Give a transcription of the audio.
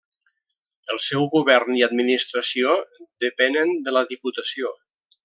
El seu govern i administració depenen de la Diputació.